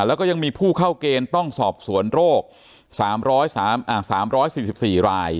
แล้วก็ยังมีผู้เข้าเกณฑ์ต้องสอบสวนโรค๓๔๔ราย